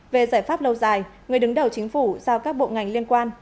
về giải pháp lâu dài người đứng đầu chính phủ giao các bộ ngành liên quan